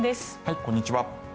こんにちは。